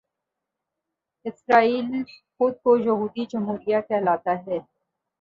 اسرائیل خود کو یہودی جمہوریہ کہلاتا ہے